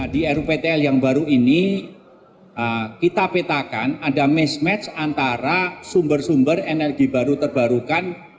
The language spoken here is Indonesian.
di ruptl yang baru ini kita petakan ada mismatch antara sumber sumber energi baru terbarukan